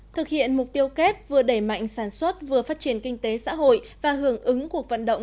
thực hiện mục tiêu kép vừa đẩy mạnh sản xuất vừa phát triển kinh tế xã hội và hưởng ứng cuộc vận động